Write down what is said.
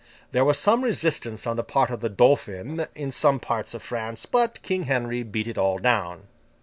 There was some resistance on the part of the Dauphin in some few parts of France, but King Henry beat it all down.